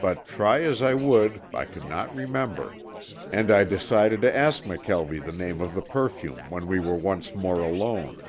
But try as I would I could not remember, and I decided to ask McKelvie the name of the perfume when we were once more alone.